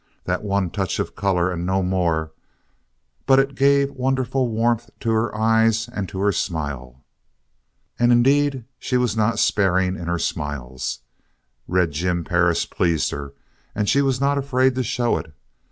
That one touch of color, and no more, but it gave wonderful warmth to her eyes and to her smile. And indeed she was not sparing in her smiles. Red Jim Perris pleased her, and she was not afraid to show it.